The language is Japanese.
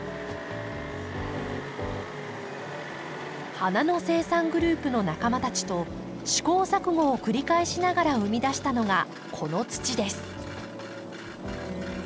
花の生産グループの仲間たちと試行錯誤を繰り返しながら生み出したのがこの土です。